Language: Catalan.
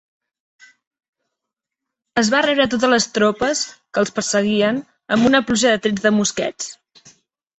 Es va rebre totes les tropes que els perseguien amb una pluja de trets de mosquets.